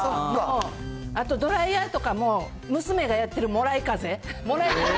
あとドライヤーとかも娘がやってるもらい風で。